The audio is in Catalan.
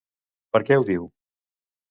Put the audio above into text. Per què ho diu?